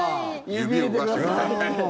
指を動かしてくださいみたいな。